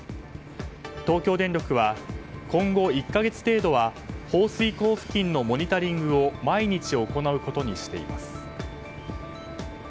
東京電力は今後１か月程度は放水口付近のモニタリングを毎日行うことにしています。